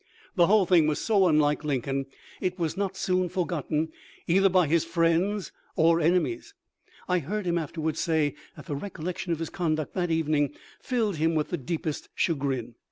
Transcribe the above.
The whole thing was so unlike Lincoln, it was not soon forgotten either by his friends or ene mies. I heard him afterwards say that the recollec tion of his conduct that evening filled him with the deepest chagrin.